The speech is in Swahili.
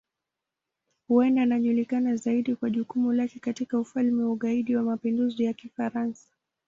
Huenda anajulikana zaidi kwa jukumu lake katika Ufalme wa Ugaidi wa Mapinduzi ya Kifaransa.